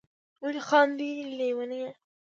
ولي خاندی ليونيه